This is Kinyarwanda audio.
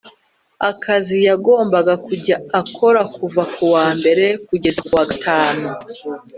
akazi Yagombaga kujya akora kuva ku wa mbere kugeza ku wa gatanu